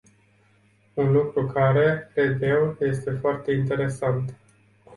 Un lucru care, cred eu, este foarte interesant.